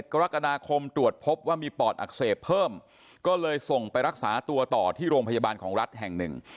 กรกฎาคมตรวจพบว่ามีปอดอักเสบเพิ่มก็เลยส่งไปรักษาตัวต่อที่โรงพยาบาลของรัฐแห่งหนึ่ง